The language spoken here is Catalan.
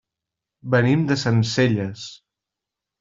Venim de Sencelles.